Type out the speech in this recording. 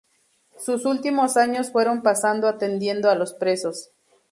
Sus últimos años fueron pasando atendiendo a los presos.